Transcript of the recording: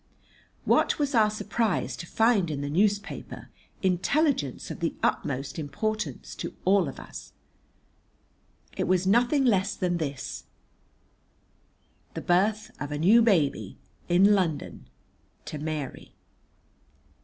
What was our surprise to find in the newspaper intelligence of the utmost importance to all of us. It was nothing less than this, the birth of a new baby in London to Mary.